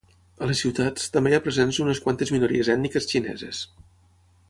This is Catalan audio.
A les ciutats, també hi ha presents unes quantes minories ètniques xineses.